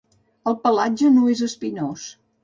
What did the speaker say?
El pelatge no és espinós.